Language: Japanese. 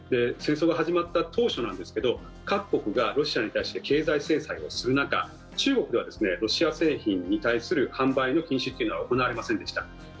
戦争が始まった当初なんですけど各国がロシアに対して経済制裁をする中中国ではロシア製品に対する販売の禁止というのは行われませんでした。